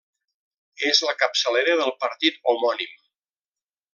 És la capçalera del partit homònim.